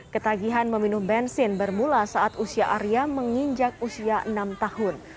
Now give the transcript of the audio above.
ketagihan meminum bensin bermula saat usia arya menginjak usia enam tahun